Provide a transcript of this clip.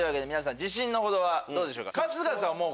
自信の程はどうでしょうか？